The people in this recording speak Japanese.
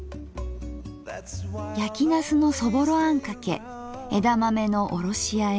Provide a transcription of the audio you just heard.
やきなすのそぼろあんかけ枝豆のおろしあえ